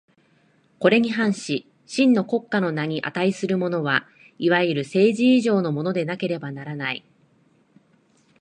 これに反し真の国家の名に価するものは、いわゆる政治以上のものでなければならない。